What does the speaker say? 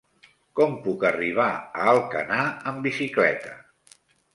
Com puc arribar a Alcanar amb bicicleta?